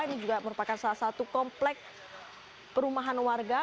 ini juga merupakan salah satu komplek perumahan warga